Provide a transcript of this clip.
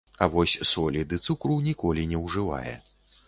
А вось солі ды цукру ніколі не ўжывае.